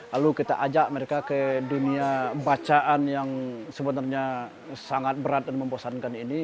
lalu kita ajak mereka ke dunia bacaan yang sebenarnya sangat berat dan membosankan ini